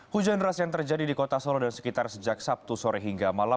hujan deras yang terjadi di kota solo dan sekitar sejak sabtu sore hingga malam